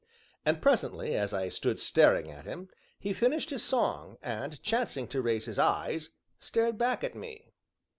And presently, as I stood staring at him, he finished his song, and chancing to raise his eyes stared back at me.